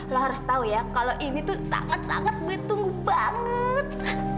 lu harus tau ya kalo ini tuh sangat sangat gue tunggu banget